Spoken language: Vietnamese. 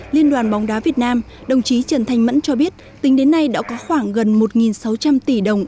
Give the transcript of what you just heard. liên đoàn bóng đá việt nam đồng chí trần thanh mẫn cho biết tính đến nay đã có khoảng gần một sáu trăm linh tỷ đồng